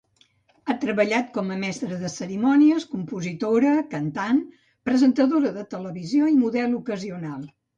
Ha treballat com a mestra de cerimònies, compositora, cantant, presentadora de televisió i model ocasional.